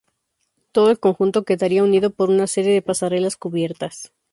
Todo el conjunto quedaría unido por una serie de pasarelas cubiertas.